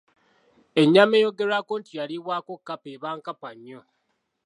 Ennyama eyogerwako nti yaliibwako kkapa eba nkapa nnyo.